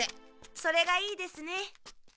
それがいいですね。